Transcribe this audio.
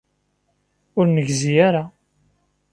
Ur negzi ara.